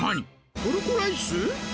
トルコライス？